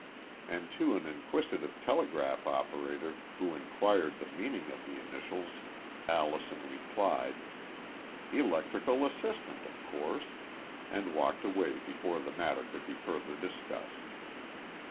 and to an inquisitive telegraph operator who inquired the meaning of the initials, Allison replied: "Electrical Assistant, of course," and walked away before the matter could be further discussed.